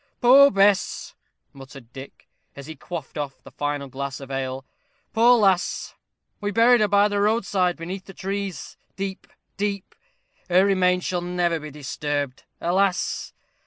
"Poor Bess!" muttered Dick, as he quaffed off the final glass of ale. "Poor lass! we buried her by the roadside, beneath the trees deep deep. Her remains shall never be disturbed. Alas!